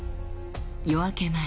夜明け前